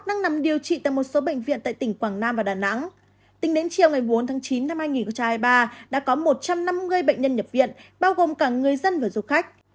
đang nằm điều trị tại một số bệnh viện tại tỉnh quảng nam và đà nẵng tính đến chiều ngày bốn tháng chín năm hai nghìn hai mươi ba đã có một trăm năm mươi bệnh nhân nhập viện bao gồm cả người dân và du khách